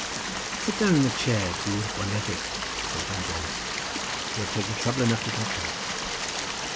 "Sit down in the chair, Gwr Boneddig," said John Jones, "you have taken trouble enough to get to it."